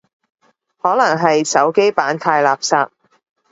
可能係手機版太垃圾